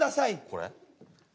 これ？